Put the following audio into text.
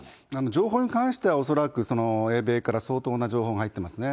情報に関しては、恐らく英米から相当な情報が入ってますね。